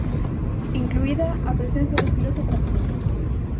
Incluída a presenza dun piloto francés.